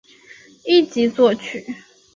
一级作曲。